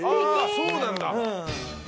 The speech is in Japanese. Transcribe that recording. そうなんだ。